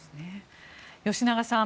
吉永さん